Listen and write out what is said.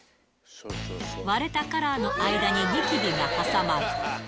割れたカラーの間ににきびが挟まる。